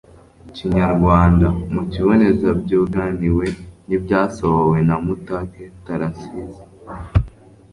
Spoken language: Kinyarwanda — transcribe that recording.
kinyarwanda. mu kubinoza byunganiwe n'ibyasohowe na mutake tharcisse